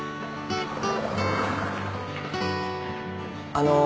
あの。